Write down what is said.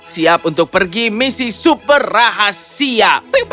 siap untuk pergi misi super rahasia